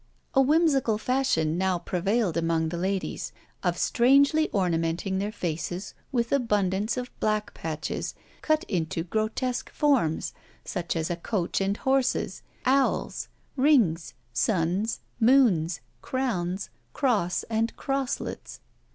"A whimsical fashion now prevailed among the ladies, of strangely ornamenting their faces with abundance of black patches cut into grotesque forms, such as a coach and horses, owls, rings, suns, moons, crowns, cross and crosslets.